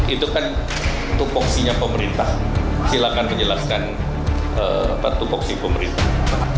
itu kan tupoksinya pemerintah silakan menjelaskan tupoksi pemerintah